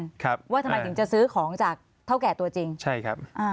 ครับว่าทำไมถึงจะซื้อของจากเท่าแก่ตัวจริงใช่ครับอ่า